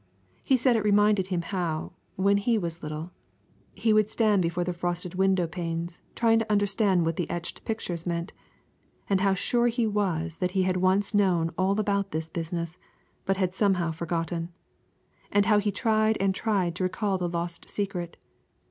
He said it reminded him how, when he was little, he would stand before the frosted window panes trying to understand what the etched pictures meant, and how sure he was that he had once known about this business, but had somehow forgotten. And how he tried and tried to recall the lost secret.